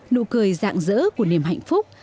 nụ cười dạng dỡ của niềm hạnh phúc